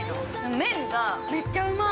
麺がめっちゃうまい。